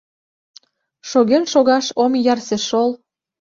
Шоген шогаш ом ярсе шол